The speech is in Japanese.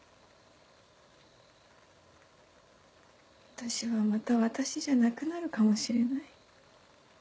私はまた私じゃなくなるかもしれない。